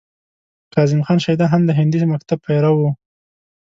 کاظم خان شیدا هم د هندي مکتب پیرو و.